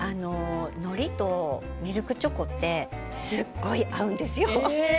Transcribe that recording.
のりとミルクチョコってすごい合うんですよ。